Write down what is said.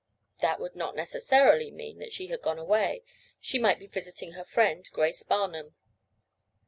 That would not necessarily mean that she had gone away—she might be visiting her friend, Grace Barnum.